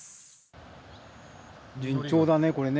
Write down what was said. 順調だねこれね。